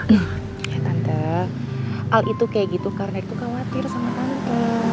ya tante al itu kayak gitu karena itu khawatir sama tante